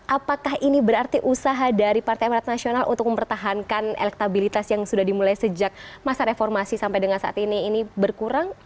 apakah ini berarti usaha dari partai amarat nasional untuk mempertahankan elektabilitas yang sudah dimulai sejak masa reformasi sampai dengan saat ini ini berkurang